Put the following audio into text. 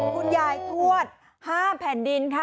คุณญายทวดห้ามแผ่นดินค่ะ